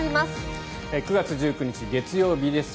９月１９日、月曜日です。